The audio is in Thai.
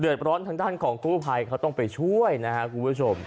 ร้อนทางด้านของกู้ภัยเขาต้องไปช่วยนะครับคุณผู้ชม